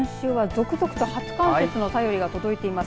初冠雪の便りが届いています。